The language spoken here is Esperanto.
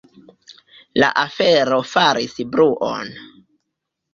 La afero faris bruon.